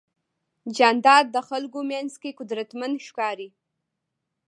جانداد د خلکو منځ کې قدرمن ښکاري.